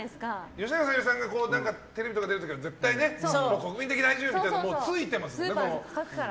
吉永小百合さんがテレビとかに出る時は国民的大女優みたいなフレーズがついてますから。